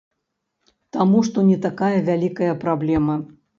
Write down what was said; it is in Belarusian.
Таму што не такая вялікая праблема.